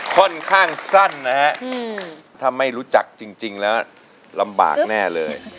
ค่อนข้างสั้นนะฮะถ้าไม่รู้จักจริงแล้วลำบากแน่เลย